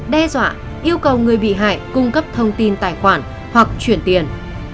đe dọa yêu cầu người bị hại cung cấp thông tin tài khoản hoặc chuyển tiền